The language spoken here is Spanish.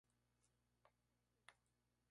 Es un juego de fútbol chapas.